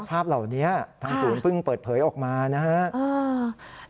ภาพเหล่านี้ทางศูนย์เพิ่งเปิดเผยออกมานะครับ